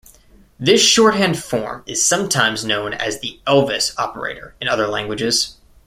This shorthand form is sometimes known as the Elvis operator in other languages.